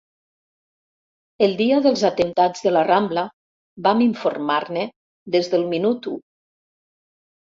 El dia dels atemptats de la Rambla vam informar-ne des del minut u.